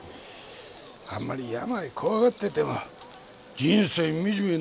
あんまり病怖がってても人生惨めになるだけですよ。